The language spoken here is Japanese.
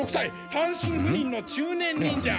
単身赴任の中年忍者山田伝蔵。